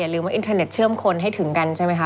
ลืมว่าอินเทอร์เน็ตเชื่อมคนให้ถึงกันใช่ไหมคะ